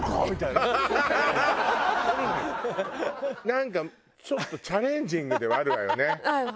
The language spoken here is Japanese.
なんかちょっとチャレンジングではあるわよね。